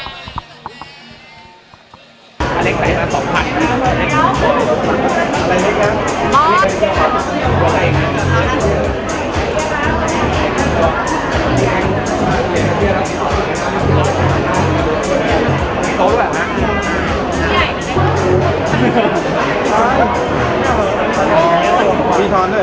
อ้าวพี่บ๊ายหน่อย